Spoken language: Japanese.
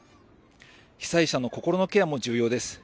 被災者の心のケアも重要です。